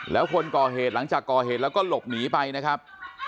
แล้วคนก่อเหตุหลังจากก่อเหตุแล้วก็หลบหนีไปนะครับ